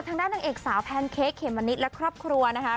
ทางด้านหนังเอกสาวแพนเคคเขมมันนิดและครอบครัวนะคะ